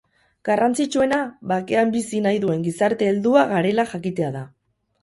Garrantzitsuena, bakean bizi nahi duen gizarte heldua garela jakitea da.